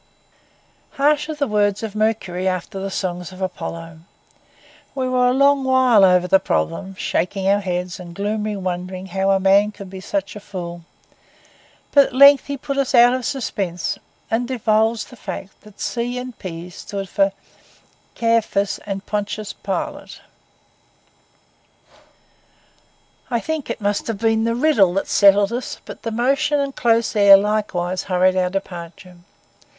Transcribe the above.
Harsh are the words of Mercury after the songs of Apollo! We were a long while over the problem, shaking our heads and gloomily wondering how a man could be such a fool; but at length he put us out of suspense and divulged the fact that C and P stood for Caiaphas and Pontius Pilate. I think it must have been the riddle that settled us; but the motion and the close air likewise hurried our departure.